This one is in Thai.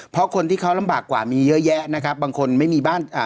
เพราะคนที่เขาลำบากกว่ามีเยอะแยะนะครับบางคนไม่มีบ้านอ่า